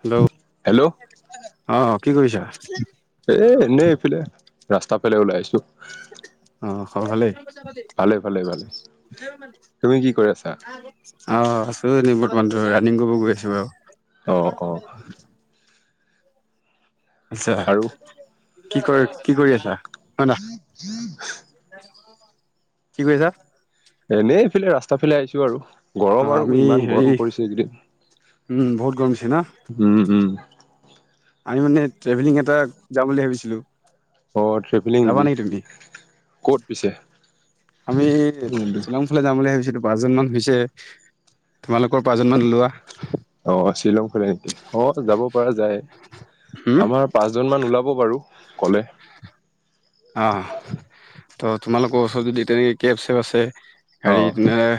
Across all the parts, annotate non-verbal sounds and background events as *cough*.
Hello, hello অ' কি কৰিছা? এ এনেই এইফালে ৰাস্তাফালে ওলাই আহিছোঁ। অ' খবৰ ভালেই। অ'। ভালে ভালে ভালে তুমি কি কৰি আছা *unintelligible* এনে বৰ্তমান ৰানিং কৰিব গৈ আছোঁ আৰু। অ অ আচ্ছা, আৰু কি কৰ কি কৰি আছা? হয় না *unintelligible* কি কৈছা? এনেই এইফালে ৰাস্তাৰ ফালে আহিছোঁ আৰু। অ গৰম আৰু আমি ইমান হেৰি গৰম পৰিছে এইকেইদিন, উম বহুত গৰম দিছে ন উম। আমি মানে ট্ৰেভেলিং এটা যাম বুলি ভাবিছিলোঁ। অ' ট্ৰেভেলিং নেকি, ক'ত পিছে? আমি শ্বিলংৰ ফালে যাম বুলি ভাবিছিলোঁ। পাঁচজন মান হৈছে, তোমালোকৰ পাঁচজন মান লোৱা। অ' শ্বিলং ফালে নেকি অ' যাব পৰা যায়, হুম আমাৰ পাঁচজন মান ওলাব *unintelligible* বাৰু ক'লে। অ' ত' তোমালোকৰ ওচৰত যদি তেনেকে কেব চেব আছে। অ হেৰিত এ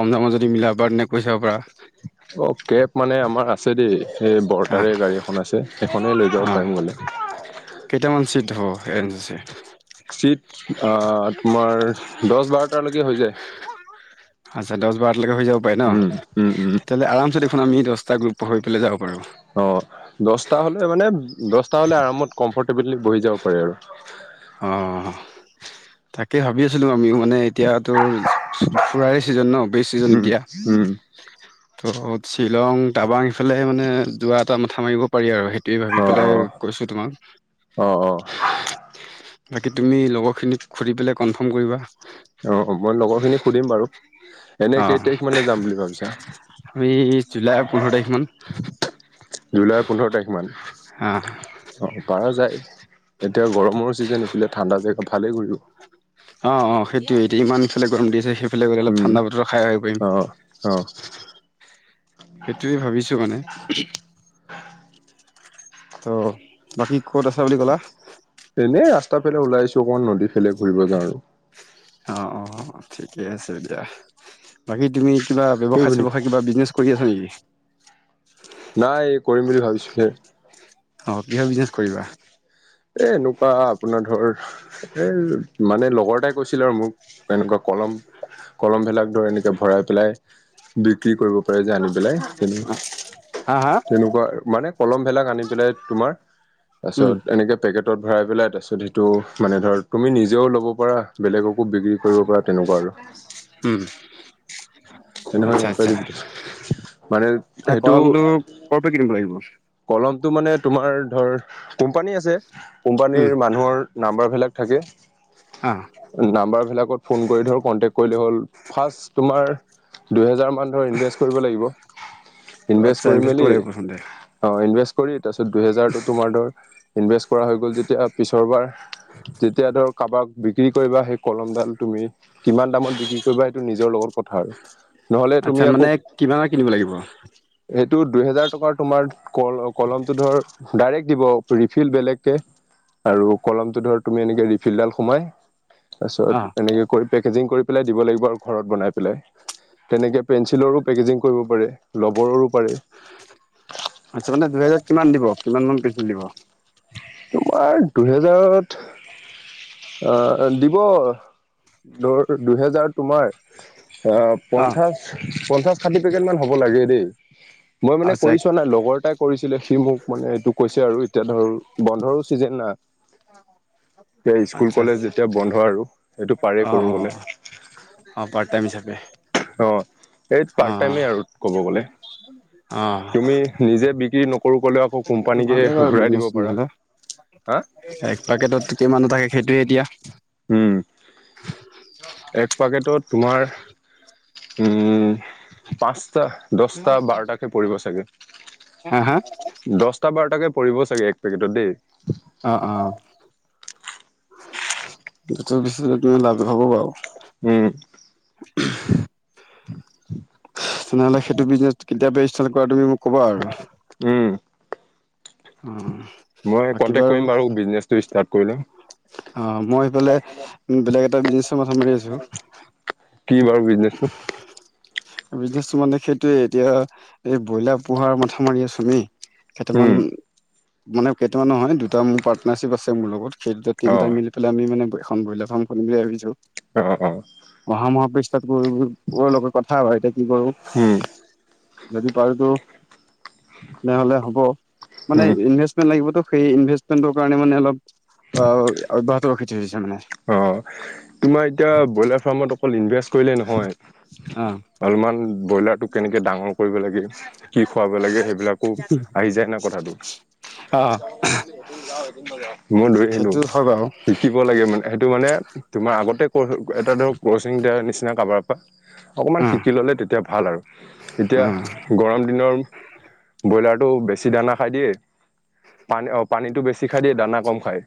কম দামত যদি মিলাব পাৰ তেনে কৈ চাব পাৰা। অ' কেব মানে আমাৰ আছে দেই। এই হা বৰ্তাৰে গাড়ী এখন আছে সেইখনে লৈ যাব পাৰিম বোলে। কেইটামান চিট অ' *unintelligible* চিট অ' তোমাৰ দহ বাৰটালৈকে হৈ যায়। আচ্ছা দহ বাৰটালৈকে হৈ যাব পাৰে উম, ন' উম, উম, তেতিয়াহ'লে আৰাম দহটা গ্ৰুপ পঢ়ি পেলাই যাব পাৰোঁ। অ' দহটা হ'লে মানে দহটা হ'লে আৰামত কমফৰ্টেবলি বহি যাব পাৰে আৰু। অঁ তাকে ভাবি আছিলোঁ আমিও। মানে এতিয়াতো ফু-ফু-ফুৰায়ে ছিজন ন' বেছ চিজন উম, এতিয়া। উম, *unintelligible* শ্বিলং টাবাং সেইফালে মানে যোৱা এটা মাথা মাৰিব পাৰি আৰু সেইটোৱে ভাবি অ', পেলাই অ', কৈছোঁ তোমাক অ'। বাকী তুমি লগৰখিনিক সুধি পেলাই কনফাৰ্ম কৰিবা। অ', মই লগৰ খিনি সুধিম বাৰু, এনেই অঁ কেই তাৰিখ মানে যাম বুলি ভাবিছা। আমি জুলাইৰ পোন্ধৰ তাৰিখমান। জুলাইৰ পোন্ধৰ তাৰিখ মান। অঁ অ'পাৰা যায়, এতিয়া গৰমৰ চিজন এইফালে ঠাণ্ডা জেগা ভালেই কৰিলোঁ। অ', অ', সেইটোয়ে এতিয়া ইমান ইফালে গৰম দি আছে সেই সেইফালে গ'লে অলপ উম, ঠাণ্ডা বতৰ খাই আহিব পাৰিম। অ', অ'। সেইটোৱে ভাবিছোঁ মানে। ত' বাকি ক'ত আছে বুলি ক'লা। এনেই ৰাস্তাৰ ফালে ওলাই আহিছোঁ অকমান নদীৰ ফালে ঘূৰিব যাওঁ আৰু। অ অ' ঠিকে আছে দিয়া বাকী তুমি কিবা ব্যৱসায় বুজিলি চেৱসায় কিবা বিজনেছ কৰি আছা নেকি। নাই কৰিম বুলি ভাবিছোঁহে। অ' কিহৰ বিজনেচ কৰিবা। এ এনেকুৱা আপোনাৰ ধৰ এ মানে লগৰ এটাই কৈছিল আৰু মোক এনেকুৱা কলম কলমবিলাক ধৰ এনেকে ভৰাই পেলাই, বিক্ৰী কৰিব পাৰে যে আনি পেলাই তেনু হা হা তেনেকুৱা মানে কলম ভিলাক আনি পেলাই তোমাৰ, উম তাৰপিছত এনেকে পেকেটত ভৰাই পেলাই তাৰপিছত সিটো মানে ধৰ তুমি নিজেও ল'ব পাৰা বেলেগক *unintelligible* বিক্ৰী কৰিব পৰা তেনেকুৱা আৰু। উম আচ্ছা আচ্ছা *unintelligible* মানে সেইটো। কলমটো ক'ৰ পৰা কিনিব লাগিব কলমটো মানে তোমাৰ ধৰ কোম্পানী আছে, উম কোম্পানীৰ মানুহৰ নাম্বাৰভিলাক থাকে। অ নাম্বাৰ ভিলাকত ফোন কৰি ধৰ কন্টেক কৰিলে হ'ল, ফাষ্ট তোমাৰ দুহেজাৰ মান ধৰ ইনভেষ্ট কৰিব লাগিব, আচ্ছা ইনভেষ্ট কৰি মেলি কৰিব লাগিব প্ৰথমতে *unintelligible* তাৰপিছত দুহেজাৰো তোমাৰ ধৰ ইনভেষ্ট কৰা হৈ গ'ল যেতিয়া পিছৰ বাৰ যেতিয়া ধৰ কাৰোবাক বিক্ৰী কৰিবা সেই কলমডাল তুমি, কিমান দামত বিক্ৰী কৰিবা সেইটো নিজৰ লগত কথা আৰু নহ'লে তুমি আচ্ছা আকৌ, মানে কিমানৰ কিনিব লাগিব এ দুইহেজাৰ টকাৰ তোমাৰ কল কলমটো ধৰ ডাইৰেক্ট দিব ৰিফিল বেলেগকে। আৰু কলমটো ধৰ তুমি এনেকে ৰিফিলডাল সোমাই, অ তাৰপিছত এনেকে কৰি পেকেজিং কৰি পেলাই দিব লাগিব আৰু ঘৰত বনাই পেলাই। তেনেকে পেঞ্চিলৰো পেকেজিং কৰিব পাৰে, ৰবৰৰো পাৰে। আচ্ছা মানে দুহেজাৰ কিমান দিব কিমান মান পেঞ্চিল দিব। তোমাৰ দুহেজাৰত। অ' দিব ধৰ দুহেজাৰ তোমাৰ অ' পঞ্চাশ, পঞ্চাশ ষাঠি পেকেট মান হ'ব লাগেই দেই। মই মানে আচ্ছা কৰি চোৱা নাই লগৰ এটাই কৰিছিলে সি মোক মানে এইটো কৈছে আৰু এতিয়া ধৰ বন্ধৰো চিজন না *inaudible* এতিয়া ইস্কুল আচ্ছা কলেজ আচ্ছা যেতিয়া বন্ধ আৰু সেইটো অ পাৰেই কৰিব অ মানে। অ' পাৰ্ট টাইম হিচাপে। অ' এই অ পাৰ্ট টাইমে আৰু ক'ব গ'লে। অ তুমি নিজে বিক্ৰী নকৰো ক'লেও আকৌ কোম্পানীকে ভালেই বাৰু ঘূৰাই বিজনেছ দিব পাৰা। তেনেহ'লে হা এক পাকেটত কিমান এটা থাকে সেইটোয়ে এতিয়া। উম, এক পাকেটত তোমাৰ উম, পাঁচ *unintelligible* দহটা বাৰটাকে পৰিব চাগে, হা হা দহটা বাৰটাকে পৰিব চাগে এক পেকেটত দেই। অ', অ', *unintelligible* লাভ নহ'ব বাৰু। উম। *unintelligible* তেনেহ'লে সেইটো বিজনেচ কেতিয়াবা ষ্টাৰ্ট কৰা তুমি মোক ক'বা আৰু। উম অ'। মই কনটেক্ট কৰিম বাৰু বিজনেছটো ষ্টাৰ্ট কৰিলে। অ' মই সেইফালে বেলেগ এটা বিজনেচৰ মাথা মাৰি আছোঁ। কি বাৰু বিজনেছটো? বিজনেচটো মানে সেইটোয়ে এতিয়া, এই ব্ৰইলাৰ পোহাৰ মাথা মাৰি আছোঁ আমি। কেইটামান, উম মানে কেইটামান নহয় দুটা মোৰ পাৰ্টনাৰশ্বিপ আছে মোৰ লগত। সেই দুটা অ তিনিটা মিলি পেলাই আমি মানে এখন ব্ৰইলাৰ ফাৰ্ম খুলিম বুলি ভাবিছোঁ। অ', অ'। অহা মাহত ইষ্টাৰ্ট *unintelligible* লগত কথা বা এতিয়া কি কৰোঁ। উম যদি পাৰোটো। তেনেহ'লে হ'ব, মানে উম ইনভেষ্টমেন্ট লাগিবতো সেই ইনভেচমেন্টৰ কাৰণে মানে অলপ অ' অব্যাহত ৰখি থৈ দিছোঁ মানে। অ তোমাৰ এতিয়া ব্ৰইলাৰ ফাৰ্মত অকল ইনভেষ্ট কৰিলে নহয়, অ' ভালমান ব্ৰইলাৰটো কেনেকে ডাঙৰ কৰিব লাগে, কি খুৱাব লাগে সেইবিলাকো আহি যায় না কথাটো। অ' *inaudible* মই ধৰি আহিলোঁ, সেইটো হয় বাৰু শিকিব লাগে মানে সেইটো মানে তোমাৰ আগতে ক এটা ধৰক ক্ৰ'চিং দিয়াৰ নিচিনা কাবাৰ পৰা অকমান অ' শিকি ল'লে তেতিয়া ভাল আৰু, এতিয়া অ' গৰম দিনৰ ব্ৰইলাৰটো বেছি দানা খাই দিয়ে। পানী অ' পানীটো বেছি খাই দিয়ে দানা কম খায়,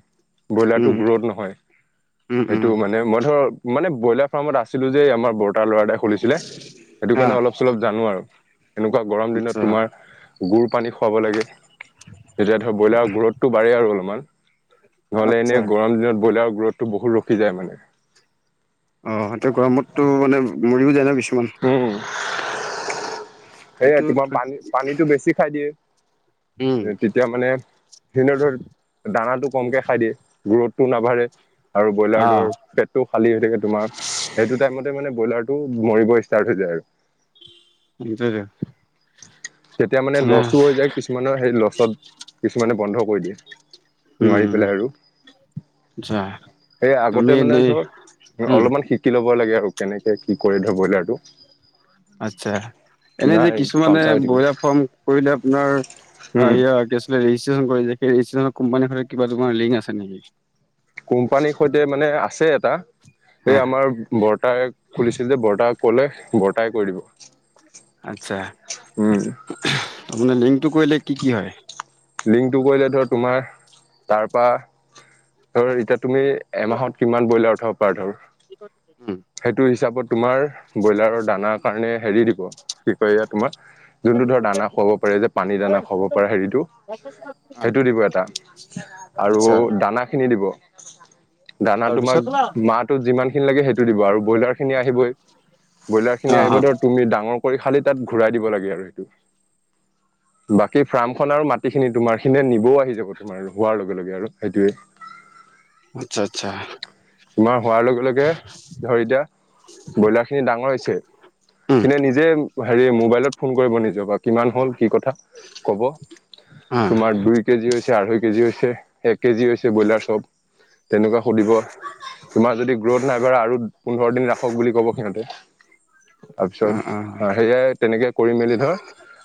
ব্ৰইলাৰটো উম গ্ৰ'থ নহয়। উম উম সেইটো মানে মই ধৰ, মানে ব্ৰইলাৰ ফাৰ্মত আছিলোঁ যে আমাৰ বৰ তাৰ ল'ৰা এটাই খুলিছিলে, সেইটো কাৰণে অ' অলপ চলপ জানো আৰু, এনেকুৱা গৰম আচ্ছা দিনত তোমাৰ গুৰ পানী খুৱাব লাগে, তেতিয়া ধৰ ব্ৰইলাৰৰ গ্ৰ'থটো বাঢ়ে আৰু অলপমান। নহ'লে আচ্ছা এনেই গৰম দিনত ব্ৰইলাৰ গ্ৰ'থটো বহুত ৰখি যায় মানে। অ' সেটো গৰমতটো মানে মৰিও যায় ন' কিছুমান। উম, সেয়াই সেইটো তোমাৰ পানী পানীটো বেছি খাই দিয়ে। উম তেতিয়া মানে সেনে ধৰ দানাটো কমকে খাই দিয়ে। গ্ৰ'থটো নাবাঢ়ে। আৰু ব্ৰইলাৰ অ' ধৰ পেটটো খালি হৈ থাকে তোমাৰ, সেইটো টাইমতে মানে ব্ৰইলাৰটো মৰিব ইচ *unintelligible* হৈ যায় আৰু। *unintelligible* তেতিয়া মানে তেনে লচো হৈ যায় কিছুমানৰ সেই লচত, কিছুমানে বন্ধ কৰি দিয়ে। উম নোৱাৰি পেলাই আৰু। আচ্ছা সেই তুমি আগতে মানে এনেই ধৰ উম অলপমান শিকি ল'ব *unintelligible* লাগে আৰু কেনেকে কি কৰে ধৰ ব্ৰইলাৰটো। আচ্ছা, এনে যে নাই কিছুমানে পামচাৰ হৈ থাকিল ব্ৰইলাৰ ফাৰ্ম কৰিলে আপোনাৰ এ উম এয়া কি আছিলে *unintelligible* *unintelligible* কোম্পানী ফালৰ কিবা তোমাৰ লিংক আছে নেকি। কোম্পানীৰ সৈতে মানে আছে এটা। এই হা আমাৰ বৰতাই খুলিছিলে, বৰতাক ক'লে বৰতাই কৰি দিব। আচ্ছা, উম *unintelligible* লিংকটো কৰিলে কি কি হয়। লিংকটো কৰিলে ধৰ তোমাৰ তাৰ পৰা, ধৰ এতিয়া তুমি এমাহত কিমান ব্ৰইলাৰ উম *unintelligible* সেইটো হিচাপত তোমাৰ ব্ৰইলাৰৰ দানা কাৰণে হেৰি দিব কি কয় এয়া তোমাৰ যোনটো ধৰ দানা খুৱাব পাৰে যে পানী দানা খুৱাব পাৰা হেৰিটো‌ অ সেইটো দিব এটা, আৰু আচ্ছা দানা খিনি দিব। দানা তোমাক তাৰপিছত অ মাহটোত যিমান খিনি লাগে সেইটো দিব আৰু ব্ৰইলাৰ খিনি আহিবই। ব্ৰইলাৰ খিনি আহিব অ ধৰ তুমি ডাঙৰ কৰি শালি তাত ঘুৰাই দিব লাগে আৰু সেইবোৰ, বাকী ফাৰ্মখন মা গোটেইখিনি তোমাৰ সিননা নিবও আহি যাব তোমাৰ আৰু হোৱাৰ লগে লগে আৰু সেইটোৱে। আচ্ছা আচ্ছা। তোমাৰ হোৱাৰ লগে লগে ধৰ এতিয়া ব্ৰইলাৰ খিনি ডাঙৰ হৈছে। উম কিন্ত নিজে হেৰি মোবাইলত ফোন কৰিব নিজৰ বা কিমান হ'ল কি কথা কব। অ তোমাৰ দুই কেজি হৈছে। আঢ়ৈ কেজি হৈছে এক কেজি হৈছে ব্ৰইলাৰ চব, তেনেকুৱা সুধিব তোমাৰ যদি গ্ৰোথ নাই বঢ়া আৰু পোন্ধৰ দিন ৰাখক বুলি ক'ব সিহঁতে। তাৰপিছত অ অ সেয়াই তেনেকে কৰি মেলি ধৰ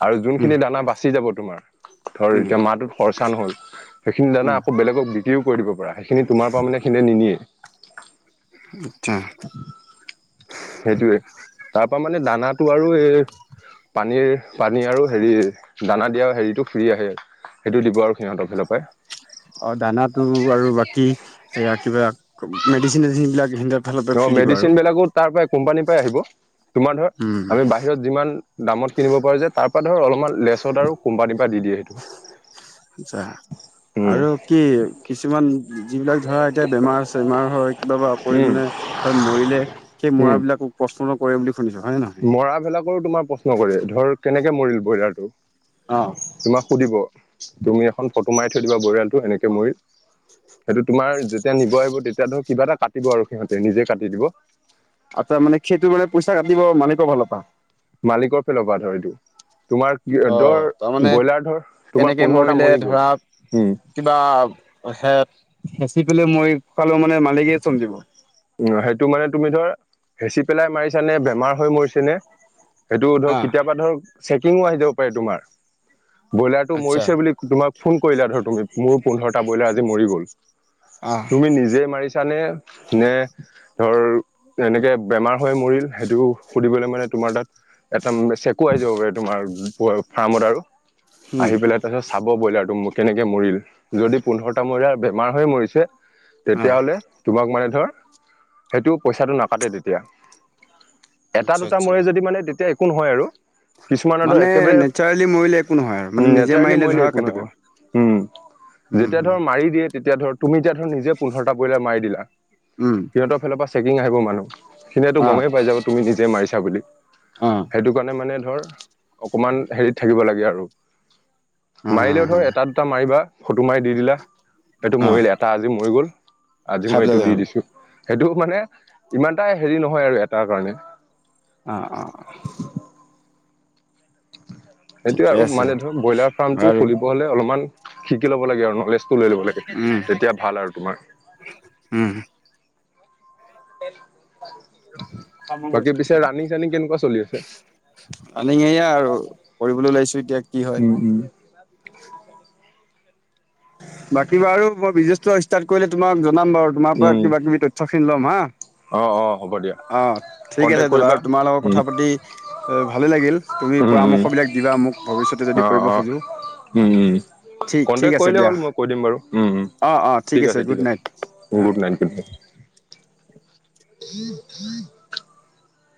আৰু উম যোনখিনি দানা বাচি যাব তোমাৰ ধৰ উম এতিয়া মাহটোত খৰচা নহ'ল। সেইখিনি দানা উম আকৌ বেলেগক বিক্ৰীও কৰি দিব পাৰা, সেইখিনি তোমাৰ পৰা মানে এনেই নিনিয়ে। আচ্ছা। সেইটোৱেই, তাৰ পৰা মানে দানাটো আৰু এই পানীৰ, পানী আৰু হেৰি দানা দিয়া হেৰিটো ফ্ৰী আহে। সেইটো দিব আৰু সিহঁতৰ ফালৰ পৰাই। অ দানাটো মেডচিন চেদিছিন বিলাগ খিহঁতক অহ মেডিচিন বিলাকো তাৰ পৰা কোম্পানীৰ পৰাই আহিব, তোমাৰ ধৰ উম আৰু বাহিৰত যিমান দামত কিনিব পাৰা যাই, তাৰ পৰা ধৰ অলপমান লেচত আৰু কোম্পানীৰ পৰা দি দিয়ে আচ্ছা উম আৰু কি কিছুমান যিবিলাক ধৰা এতিয়া বেমাৰ চেমাৰ হয়, কিবা বা উম অপৰিমানে হয় মৰিলে সেই উম মৰাবিলাকো প্ৰশ্নক মৰাবিলাকৰো তোমাৰ প্ৰশ্ন কৰে, ধৰ কেনেকে মৰিল ব্ৰইলাৰটো অ তোমাক সুধিব। তুমি এখন ফটো মাৰি থৈ দিবা ব্ৰইলাৰটোৰ এনেকৈ মৰিল, সেইটোত তোমাৰ যেতিয়া নিব আহিব তেতিয়াতো কিবা এটা কাটিব আৰু সিহঁতে নিজে কাটি দিব। আচ্ছা মানে সেইটোৰ মানে পইচা কাটিব মানিকাল ফালৰ পৰা। মালিকৰ ফালৰ পৰা ধৰ এইটো। তোমাৰ অ ধৰ তাৰমানে ব্ৰইলাৰ ধৰ তোমাৰ কেনেকে পোন্ধৰটা মৰিলে মৰি গ'ল। ধৰা উম কিবা হেঁচি পেলাই মৰি গলে মানে মালিকেই চবদিব? অহ, হেইটো মানে তুমি ধৰ হেঁচি পেলাই মাৰিছা নে বেমাৰ হৈ মৰিছে নে সেইটো ধৰক হা কেতিয়াবা ধৰক চেকিংও আহি যাব পাৰে তোমাৰ। ব্ৰইলাৰটো আচ্ছা মৰিছে বুলি তোমাক ফোন কৰিলে ধৰ তুমি, মোৰো পোন্ধৰটা ব্ৰইলাৰ আজি মৰি গ'ল। তুমি নিজে মাৰিছানে নে ধৰ এনেকে বেমাৰ হৈ মৰিল, সেইটো সুধিবলৈ মানে তোমাৰ তাত অহ, চেকো আহি যাব পাৰে তোমাৰ ফাৰ্মত আৰু উম আহি পেলাই তাৰপাছত চাব ব্ৰইলাৰটো কেনেকে মৰিল, যদি পোন্ধৰটা ব্ৰইলাৰ বেমাৰ হৈ মৰিছে হা তেতিয়াহলে তোমাক মানে ধৰ হেইটো পইচাটো নাকাটে তেতিয়া। এটা আচ্ছা দুটা আচ্ছা মৰে যদি মানে তেতিয়া একো নহয় আৰু। কিছুমান আৰু মানে একেবাৰে নেচাৰেলি মৰিলে একো নহয় আৰু মানে নিজে নেচাৰেলি মাৰিলে মৰিলে ধৰা একো কাটিব। নহয় উম। উম যেতিয়া উম ধৰ মাৰি দিয়ে, তেতিয়া ধৰ তুমি এতিয়া ধৰ নিজে পোন্ধৰটা ব্ৰইলাৰ মাৰি দিলা, উম সিহঁতৰ ফালৰ পৰা চেকিং আহিব মানুহ সিহঁতেটো অ গমেই পাই যাব তুমি নিজে মাৰিছা বুলি, অ সেইটো কাৰণে মানে ধৰ অকমান হেৰিত থাকিব লাগে আৰু অ মাৰিলেও ধৰ এটা দুটা মাৰিবা। ফটো মাৰি দি দিলা, এইটো অ মৰিল এটা আজি মৰি গ'ল, আজি খাই মই এইটো পেলালে দি হ'ল দিছো। সেইটো মানে ইমানটা হেৰি নহয় আৰু এটাৰ কাৰণে অহ অহ অহ। সেইটোয়ে ঠিকে আৰু আছে মানে ধৰ ব্ৰইলাৰ ফাৰ্মটো বাৰু খুলিব হলে অলপমান শিকি ল'ব লাগে আৰু ন ফটোজ লৈ ল'ব লাগে, উম তেতিয়া ভাল আৰু তোমাৰ। উম তে *unintelligible* অহ, ফোন কৰিছিলা, কেনেকুৱা চলি আছে আমি এইয়া আৰু কৰিবলৈ ওলাইছো এতিয়া কি হয় উম উম। বাকী বাৰু মই বিজনেছটো ষ্টাৰ্ট কৰিলে তোমাক জনাম বাৰু তোমাৰ পৰা উম কিবা কিবি তথ্য খিনি ল'ম হা অ অ হ'ব দিয়া অ' ঠিক আছে কন্টেক্ট দাদা কৰিবা তোমাৰ লগত উম কথা পাতি ভালে লাগিল তুমি উম উম পৰামৰ্শ বিলাক দিবা মোক ভৱিষ্যতে অ যদি কৰিব অ খোজো। উম উম ঠিক ঠিক কন্টেক্ট আছে কৰিলে দিয়া হ'ল মই কৈ দিম বাৰু উম উম। অ অ ঠিক আছে, গুড ঠিক আছে নাইট অ গুড নাইট গুড নাইট। *unintelligible*